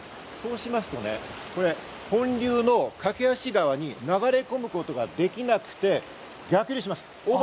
そうしますとね、本流の梯川に流れ込むことができなくて逆流します。